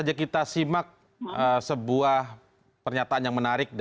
baru saja kita simak sebuah pernyataan yang menarik